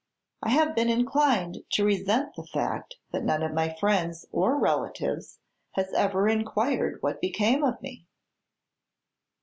I have been inclined to resent the fact that none of my friends or relatives has ever inquired what became of me."